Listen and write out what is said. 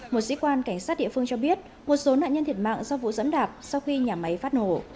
một sĩ quan cảnh sát địa phương cho biết một số nạn nhân thiệt mạng do vụ dẫm đạp sau khi nhà máy phát nổ